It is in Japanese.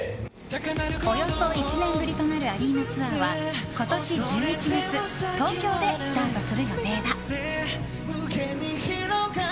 およそ１年ぶりとなるアリーナツアーは今年１１月東京でスタートする予定だ。